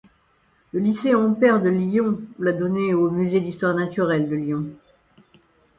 Le lycée Ampère de Lyon l'a donnée au Musée d’histoire naturelle de Lyon.